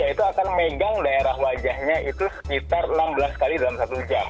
jadi ya itu akan megang daerah wajahnya itu sekitar enam belas kali dalam satu jam